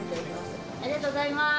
ありがとうございます。